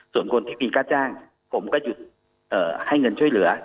ส่วนคนที่มีค่าจ้างผมก็หยุดให้เงินช่วยเหลือ